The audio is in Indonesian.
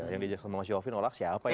yang diajak sama mas yofi nolak siapa ya